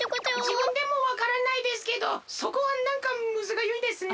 じぶんでもわからないですけどそこはなんかむずがゆいですね。